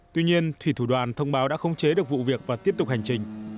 tuy nhiên thủy thủ đoàn thông báo đã không chế được vụ việc và tiếp tục hành trình